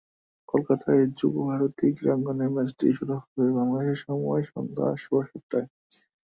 কলকাতার যুব ভারতী ক্রীড়াঙ্গনে ম্যাচটি শুরু হবে বাংলাদেশ সময় সন্ধ্যা সোয়া সাতটায়।